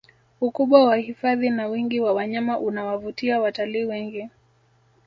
ukubwa wa hifadhi na wingi wa wanyama unawavutia watalii wengi